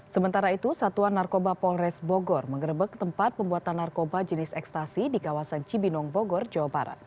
sementara itu satuan narkoba polres bogor mengerebek tempat pembuatan narkoba jenis ekstasi di kawasan cibinong bogor jawa barat